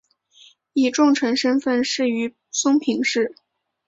以重臣身份仕于松平氏。